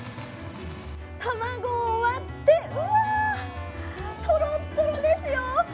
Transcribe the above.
卵を割ってうわ、とろとろですよ！